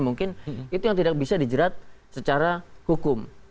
mungkin itu yang tidak bisa dijerat secara hukum